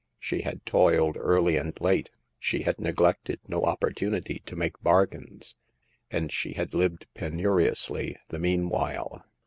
She had toiled early and late ; she had neglected no opportunity to make bargains ; and she had lived penuriously the meanwhile.